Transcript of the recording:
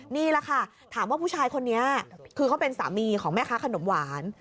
นี่แหละค่ะถามว่าผู้ชายคนนี้คือเขาเป็นสามีของแม่ค้าขนมหวาน